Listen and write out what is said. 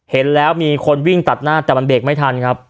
เห็นแล้วมีคนวิ่งตัดหน้าแต่มันเบรกไม่ทันครับ